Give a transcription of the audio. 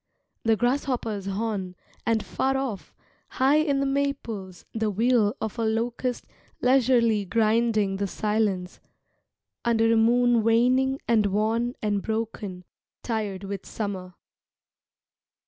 The grasshopper's horn, and far off, high in the maples The wheel of a locust leisurely grinding the silence, Under a moon waning and worn and broken, Tired with summer.